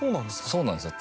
そうなんですよ